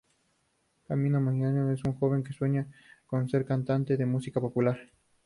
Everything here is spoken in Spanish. Camilo Mallarino es un joven que sueña con ser cantante de música popular.